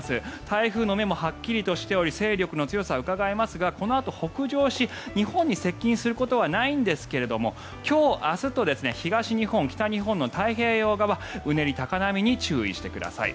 台風の目もはっきりしており勢力の強さがうかがえますが、このあと北上し日本に接近することはないんですが今日、明日と東日本、北日本の太平洋側うねり、高波に注意してください。